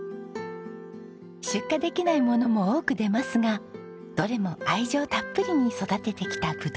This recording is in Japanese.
出荷できないものも多く出ますがどれも愛情たっぷりに育ててきたぶどう。